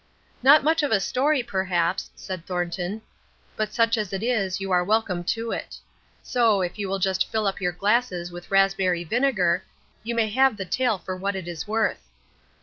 "Not much of a story, perhaps," said Thornton, "but such as it is you are welcome to it. So, if you will just fill up your glasses with raspberry vinegar, you may have the tale for what it is worth."